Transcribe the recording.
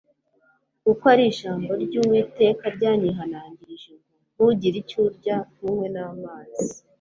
kuko ari ko ijambo ryUwiteka ryanyihanangirije ngo Ntugire icyo urya ntunywe namazi